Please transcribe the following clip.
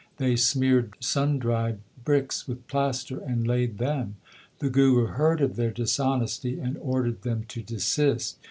They smeared sun dried bricks with plaster and laid them. The Guru heard of their dishonesty and ordered them to desist.